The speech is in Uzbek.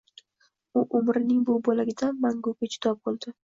u umrning bu boʻlagidan manguga judo boʻldi